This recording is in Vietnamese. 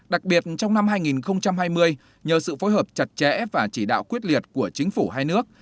đặc biệt trong năm hai nghìn hai mươi nhờ sự phối hợp chặt chẽ và chỉ đạo quyết liệt của chính phủ hai nước